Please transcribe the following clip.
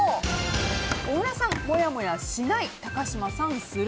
小倉さん、もやもやしない高嶋さん、する。